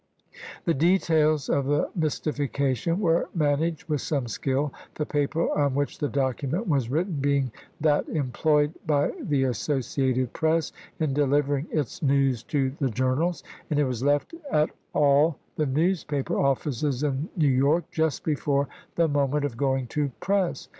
The details of the mys tification were managed with some skill, the paper on which the document was written being that em ployed by the Associated Press in delivering its news to the journals, and it was left at all the news paper offices in New York just before the moment of going to press.